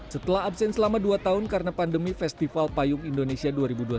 setelah absen selama dua tahun karena pandemi festival payung indonesia dua ribu dua puluh